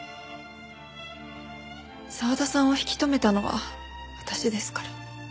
澤田さんを引き留めたのは私ですから。